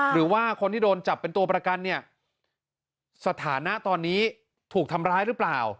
หรือว่าคนที่โดนจับเป็นตัวประกันเนี่ยสถานะตอนนี้ถูกทำร้ายหรือเปล่า